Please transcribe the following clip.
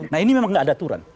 nah ini memang tidak ada aturan